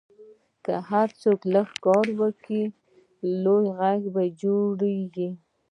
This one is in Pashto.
که هر څوک لږ کار وکړي، لوی غږ جوړېږي.